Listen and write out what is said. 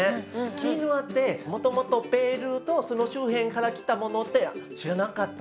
キヌアってもともとペルーとその周辺から来たものって知らなかった。